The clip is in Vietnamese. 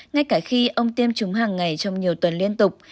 ngay cả khi ông tiêm chúng hàng ngày trong nhiều tuần liên tục